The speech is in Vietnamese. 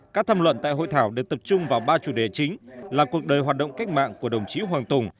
các tham luận tại hội thảo đều tập trung vào ba chủ đề chính là cuộc đời hoạt động cách mạng của đồng chí hoàng tùng